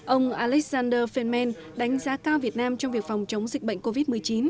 ông alexander filman đánh giá cao việt nam trong việc phòng chống dịch bệnh covid một mươi chín